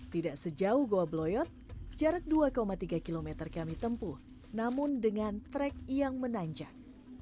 tidak sejauh goa bloyot jarak dua tiga km kami tempuh namun dengan trek yang menanjak